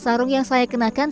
sarung yang saya kenakan